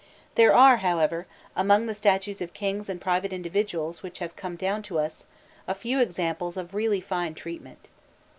There are, however, among the statues of kings and private individuals which have come down to us, a few examples of really fine treatment.